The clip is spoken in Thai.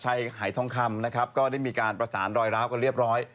หายทองคำนะครับก็ได้มีการประสานรอยร้าวกันเรียบร้อย